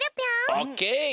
オッケー。